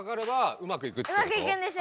うまくいくんですよ！